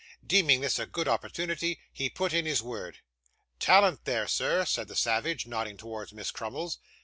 Deeming this a good opportunity, he put in his word. 'Talent there, sir!' said the savage, nodding towards Miss Crummles.